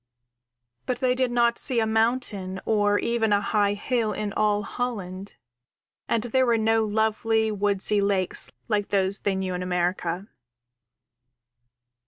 But they did not see a mountain or even a high hill in all Holland, and there were no lovely, woodsy lakes like those they knew in America.